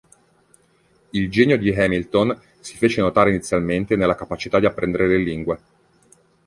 Il genio di Hamilton si fece notare inizialmente nella capacità di apprendere le lingue.